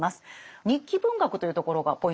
日記文学というところがポイントですね。